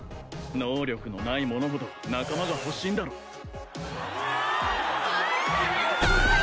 能力のない者ほど仲間が欲しいんだろおお！